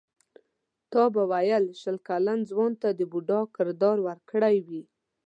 تا به ویل شل کلن ځوان ته د بوډا کردار ورکړی وي.